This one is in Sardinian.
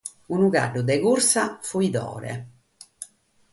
Unu caddu de cursa fuidore.